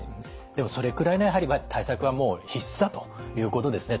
でもそれくらいねやはり対策は必須だということですね。